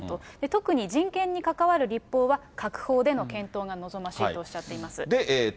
特に人権にかかわる立法は、閣法での検討が望ましいとおっしゃっています。